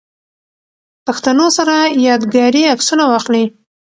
پښتنو سره ياد ګاري عکسونه واخلئ